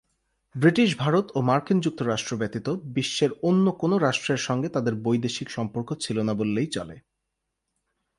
British Bharat ও মার্কিন যুক্তরাষ্ট্র ব্যতীত বিশ্বের অন্য কোন রাষ্ট্রের সঙ্গে তাঁদের বৈদেশিক সম্পর্ক ছিল না বললেই চলে।